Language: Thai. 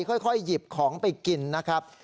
ค่อยหยิบของไปกินนะครับ